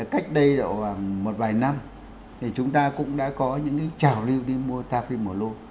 cách đây là một vài năm thì chúng ta cũng đã có những cái trào lưu đi mua tamiflu